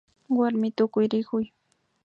Warmi Tukuyrikuy